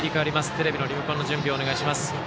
テレビのリモコンの準備をお願いします。